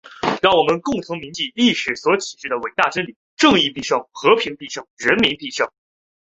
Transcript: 让我们共同铭记历史所启示的伟大真理：正义必胜！和平必胜！人民必胜！